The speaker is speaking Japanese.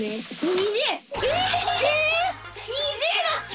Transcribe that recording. ２０だった！